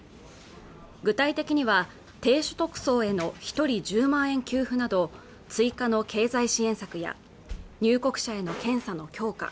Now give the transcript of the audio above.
具体的には低所得層への一人１０万円給付など追加の経済支援策や入国者の検査の強化